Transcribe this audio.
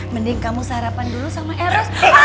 mending kamu sarapan dulu sama eros